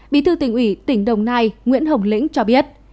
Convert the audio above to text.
bí thư tỉnh ủy tỉnh đồng nai nguyễn hồng lĩnh cho biết